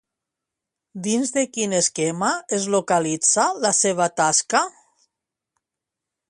Dins de quin esquema es localitza la seva tasca?